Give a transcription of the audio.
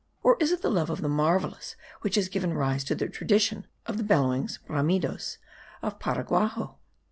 or is it the love of the marvellous, which has given rise to the tradition of the bellowings (bramidos) of Paraguaxo?